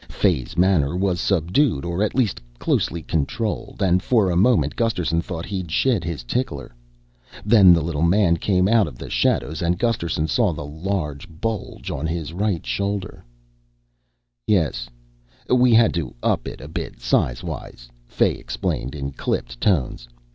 Fay's manner was subdued or at least closely controlled and for a moment Gusterson thought he'd shed his tickler. Then the little man came out of the shadows and Gusterson saw the large bulge on his right shoulder. "Yes, we had to up it a bit sizewise," Fay explained in clipped tones.